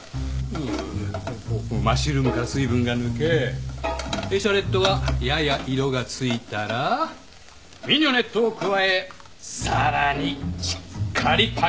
マッシュルームから水分が抜けエシャロットがやや色がついたらミニョネットを加えさらにしっかりかき混ぜながら炒める。